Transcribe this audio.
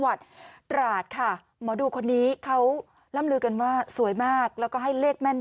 สองสามตี่และอีกหลายแล้ว